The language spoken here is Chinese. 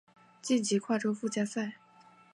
晋级跨洲附加赛。